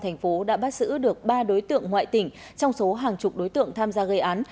thành phố đã bắt giữ được ba đối tượng ngoại tỉnh trong số hàng chục đối tượng tham gia gây án